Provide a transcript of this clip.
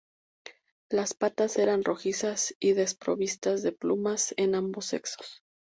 Las patas eran rojizas y desprovistas de plumas en ambos sexos.